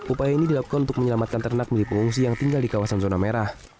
upaya ini dilakukan untuk menyelamatkan ternak milik pengungsi yang tinggal di kawasan zona merah